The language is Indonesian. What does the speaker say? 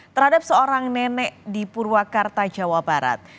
terhadap seorang nenek di purwakarta jawa barat